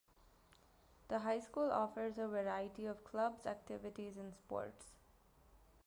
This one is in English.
The high school offers a variety of clubs, activities and sports.